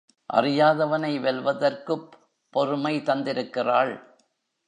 அறியாதவனை வெல்வதற்குப் பொறுமை தந்திருக்கிறாள்.